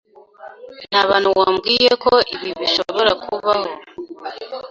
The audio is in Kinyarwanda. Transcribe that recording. Ntabantu wambwiye ko ibi bishobora kubaho.